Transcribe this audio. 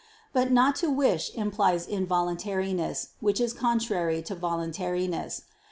But not to wish implies involuntariness, which is contrary to voluntariness.